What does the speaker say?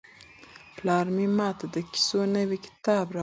پلار مې ماته د کیسو نوی کتاب راوړ.